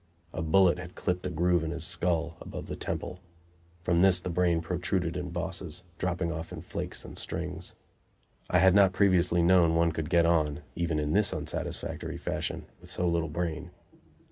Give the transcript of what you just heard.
A bullet had clipped a groove in his skull, above the temple; from this the brain protruded in bosses, dropping off in flakes and strings. I had not previously known one could get on, even in this unsatisfactory fashion, with so little brain.